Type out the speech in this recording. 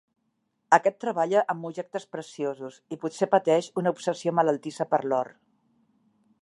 Aquest treballa amb objectes preciosos, i potser pateix una obsessió malaltissa per l'or.